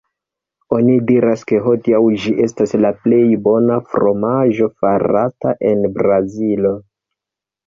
Oni diras ke hodiaŭ ĝi estas la plej bona fromaĝo farata en Brazilo.